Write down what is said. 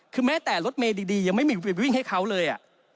คือแม้แต่รถเมย์ดียังไม่มีไปวิ่งให้เขาเลย